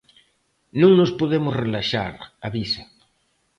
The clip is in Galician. "Non nos podemos relaxar", avisa.